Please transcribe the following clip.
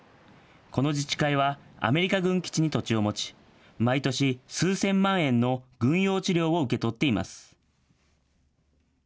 この自治会は、アメリカ軍基地に土地を持ち、毎年、数千万円の軍用地料を受け取っています。